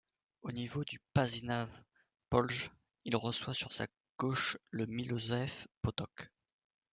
Au niveau du Pašinac polje, il reçoit sur sa gauche le Milošev potok.